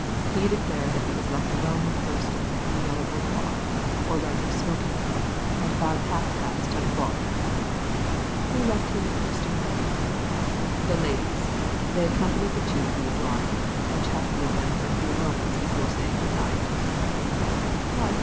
He declared that he was left alone with Kirkstone in the Yellow Boudoir, or rather smoking room, about half past ten o'clock," ''Who left him and Kirkstone alone ?"" The ladies. They accompanied the two from the drawing room, and chatted with them for a few moments before saying good night" "What!"